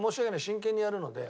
真剣にやるので。